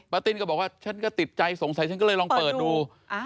ติ้นก็บอกว่าฉันก็ติดใจสงสัยฉันก็เลยลองเปิดดู